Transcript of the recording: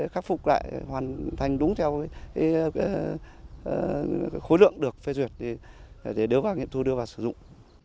khắc phục lại hoàn thành đúng theo khối lượng được phê duyệt để nếu các nghiệm thu đưa vào sử dụng